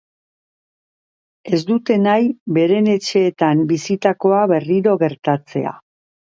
Ez dute nahi beren etxeetan bizitakoa berriro gertatzea.